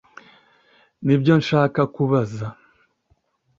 nibyo nshaka kubaza